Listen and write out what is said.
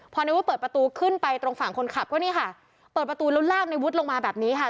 พอในวุฒิเปิดประตูขึ้นไปตรงฝั่งคนขับก็นี่ค่ะเปิดประตูแล้วลากในวุฒิลงมาแบบนี้ค่ะ